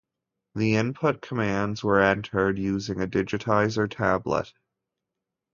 The input commands were entered using a digitizer tablet.